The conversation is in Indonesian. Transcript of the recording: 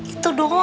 itu doang pak